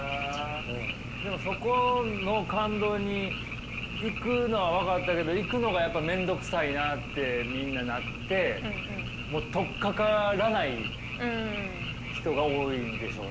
でもそこの感動に行くのは分かったけど行くのがやっぱり面倒くさいなってみんななってもう取っかからない人が多いんでしょうね。